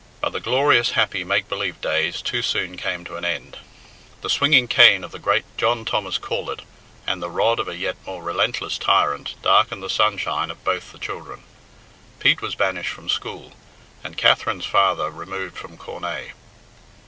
But the glorious, happy, make believe days too soon came to an end. The swinging cane of the great John Thomas Corlett, and the rod of a yet more relentless tyrant, darkened the sunshine of both the children. Pete was banished from school, and Catherine's father removed from Cornaa.